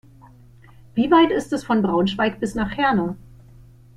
Wie weit ist es von Braunschweig bis nach Herne?